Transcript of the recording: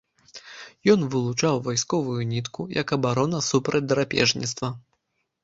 Ён вылучаў васковую нітку, як абарона супраць драпежніцтва.